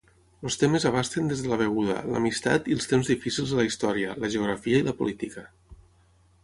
Els temes abasten des de la beguda, l'amistat i els temps difícils a la història, la geografia i la política.